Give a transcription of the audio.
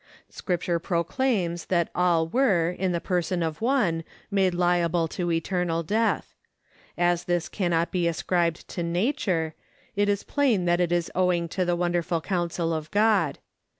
Scripture proclaims that all were, in the person of one, made liable to eternal death. As this cannot be ascribed to nature, it is plain that it is owing to the wonderful counsel of God.